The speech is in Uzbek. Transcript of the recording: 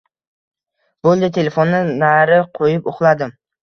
Boʻldi, telefonni nari qoʻyib, uxladim.